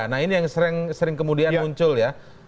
nah ini yang sering kemudian muncul ya